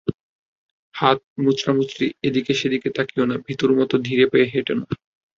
হাত মোচড়ামুচড়ি, এদিক সেদিক তাকিয়ো না ভীতুর মতো ধীর পায়ে হেটো না।